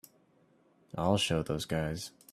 I'll show those guys.